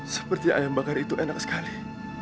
seperti ayam bakar itu enak sekali